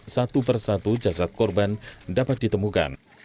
satu persatu jasad korban dapat ditemukan